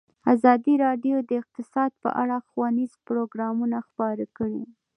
ازادي راډیو د اقتصاد په اړه ښوونیز پروګرامونه خپاره کړي.